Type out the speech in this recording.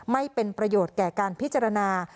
ไม่เป็นประโยชน์แก่การพิจารณา